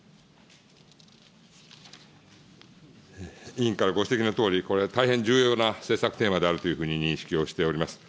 委員からご指摘のとおり、これ、大変重要な政策テーマであるというふうに認識をしております。